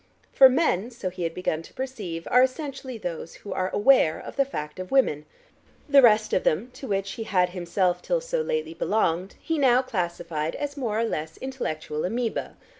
For men, so he had begun to perceive, are essentially those who are aware of the fact of women; the rest of them, to which he had himself till so lately belonged, he now classified as more or less intellectual amoebæ.